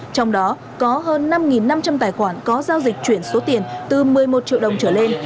trong đó có hơn năm năm trăm linh tài khoản có giao dịch chuyển số tiền từ một mươi một triệu đồng trở lên